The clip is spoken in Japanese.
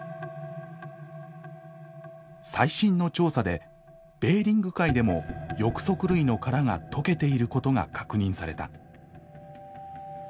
最新の調査でベーリング海でも翼足類の殻が溶けていることが確認された。